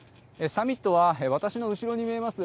サミットは私の後ろに見えます